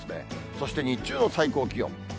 そして日中の最高気温。